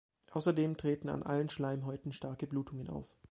Außerdem treten an allen Schleimhäuten starke Blutungen auf.